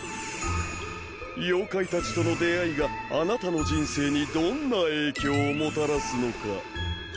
妖怪たちとの出会いがあなたの人生にどんな影響をもたらすのか。